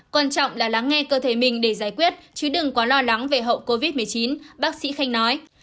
quan trọng là lắng nghe cơ thể mình để giải quyết chứ đừng quá lo lắng về hậu covid một mươi chín bác sĩ khanh nói